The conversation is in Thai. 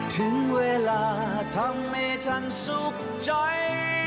ถึงเวลาทำให้ท่านสุขใจ